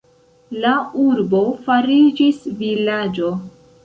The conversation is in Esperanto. La urbo fariĝis vilaĝo.